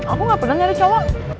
aku gak pernah nyari coba